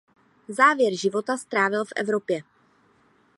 Závěr života strávil v Evropě.